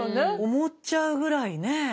思っちゃうぐらいね。